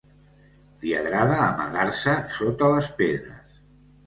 L'hi agrada amagar-se sota les pedres.